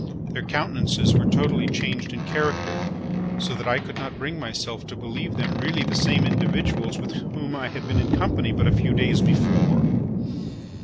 Their countenances were totally changed in character, so that I could not bring myself to believe them really the same individuals with whom I had been in company but a few days before.